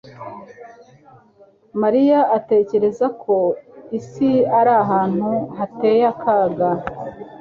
Mariya atekereza ko isi ari ahantu hateye akaga